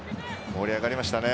盛り上がりましたね。